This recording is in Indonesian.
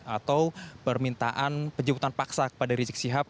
atau permintaan penjemputan paksa kepada rizik sihab